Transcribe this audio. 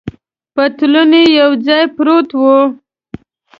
پتلون یې یو ځای پروت و.